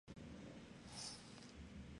Su origen está en la travesía de Miajadas.